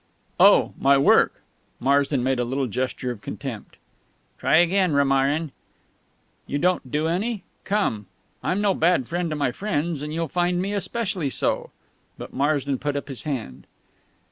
"Oh, my work!" Marsden made a little gesture of contempt. "Try again, Romarin." "You don't do any?... Come, I'm no bad friend to my friends, and you'll find me especially so." But Marsden put up his hand.